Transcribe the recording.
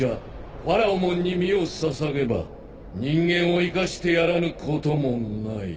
ファラオモンに身を捧げば人間を生かしてやらぬこともない。